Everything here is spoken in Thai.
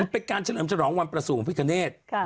เป็นการเฉลิมฉลองวันประสูงพิกเทณฑ์